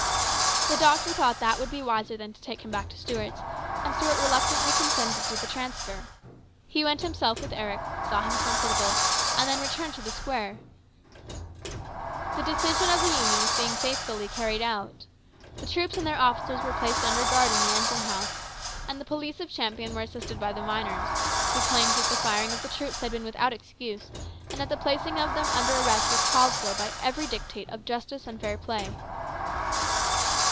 The doctor thought that would be wiser than to take him back to Stuart's, and Stuart reluctantly consented to the transfer. He went himself with Eric, saw him comfortable, and then returned to the square. A MEMORABLE NIGHT. 159 The decision of the Union was being faithfully carried out. The troops and their officers were placed under guard in the engine house, and the police of Champion were assisted by the miners, who claimed that the firing of the troops had been with out excuse and that the placing of them under arrest was called for by every dictate of justice and fair play.